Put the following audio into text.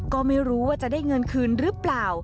ก็ไม่รู้ว่าจะได้เงินคืนหรือเปล่า